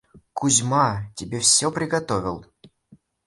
Кузьма тебе всё приготовил.